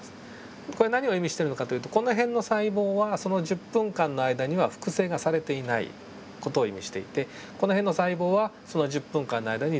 これは何を意味しているのかというとこの辺の細胞はその１０分間には複製がされていない事を意味していてこの辺の細胞はその１０分間の間にＤＮＡが複製されている様子が分かる。